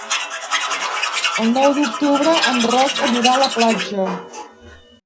El nou d'octubre en Roc anirà a la platja.